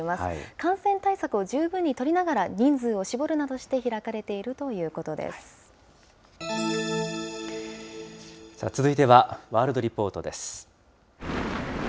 感染対策を十分に取りながら、人数を絞るなどして開かれていると続いてはワールドリポートです。